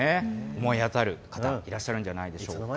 思い当たる方、いらっしゃるんじゃないでしょうか。